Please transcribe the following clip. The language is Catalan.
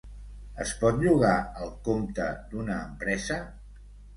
Es pot llogar al compte d'una empresa?